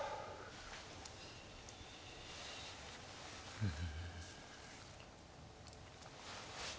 うん。